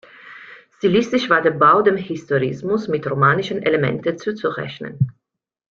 Stilistisch war der Bau dem Historismus mit romanischen Elementen zuzurechnen.